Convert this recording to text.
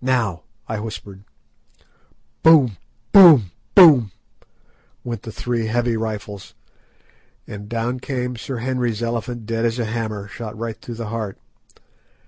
"Now," I whispered. Boom! boom! boom! went the three heavy rifles, and down came Sir Henry's elephant dead as a hammer, shot right through the heart.